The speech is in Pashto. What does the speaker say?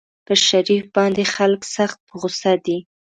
پر شريف باندې خلک سخت په غوسه دي.